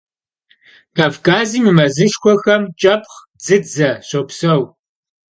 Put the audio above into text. Kavkazım yi mezışşxuexem ç'epxh, dzıdze şopseu.